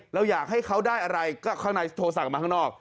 เราอยากให้เขาได้อะไรก็ข้างในโทรสั่งมาข้างนอก